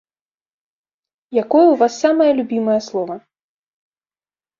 Якое ў вас самае любімае слова?